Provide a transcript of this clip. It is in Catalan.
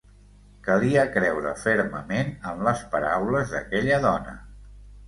Calia creure fermament en les paraules d’aquella dona.